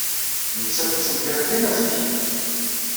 Nettat tettenkar dima zik.